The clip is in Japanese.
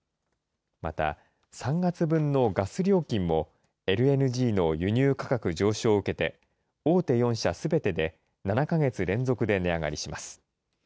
また、３月分のガス料金もＬＮＧの輸入価格上昇を受けて、大手４社すべてで７か月連続で値上がりします。